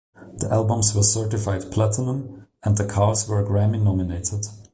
The albums were certified platinum and The Cars were Grammy nominated.